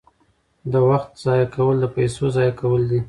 د وخت ضایع کول د پیسو ضایع کول دي.